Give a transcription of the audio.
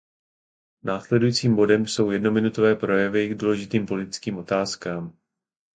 Následujícím bodem jsou jednominutové projevy k důležitým politickým otázkám.